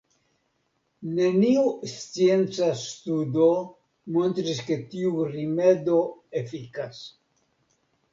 Neniu scienca studo montris ke tiu rimedo efikas.